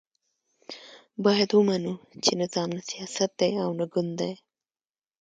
باید ومنو چې نظام نه سیاست دی او نه ګوند دی.